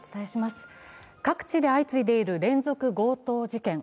各地で相次いでいる連続強盗事件。